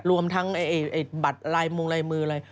รวมทั้งบัตรมุงไรมืออะไร